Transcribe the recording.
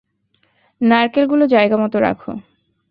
নারকেলগুলো জায়গামতো রাখো।